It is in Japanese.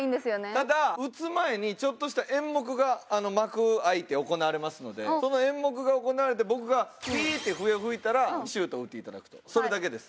ただ打つ前にちょっとした演目が幕開いて行われますのでその演目が行われて僕がピーって笛を吹いたらシュートを打っていただくとそれだけです。